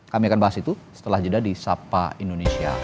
kami akan bahas itu setelah jeda di sapa indonesia